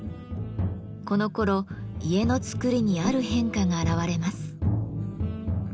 このころ家の造りにある変化があらわれます。